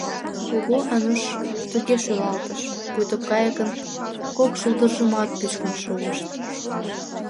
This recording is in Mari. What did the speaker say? — Кугу Ануш туге шӱлалтыш, пуйто кайыкын кок шулдыржымат пӱчкын шуышт.